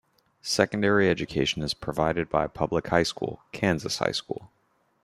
Secondary education is provided by a public high school, Kansas High School.